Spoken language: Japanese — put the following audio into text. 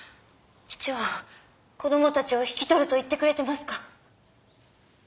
父は子どもたちを引き取ると言ってくれてますか？